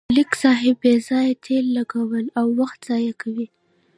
ملک صاحب بې ځایه تېل لګوي او وخت ضایع کوي.